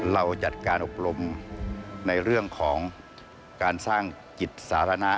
เราจัดการอบรมในเรื่องของการสร้างจิตสาธารณะ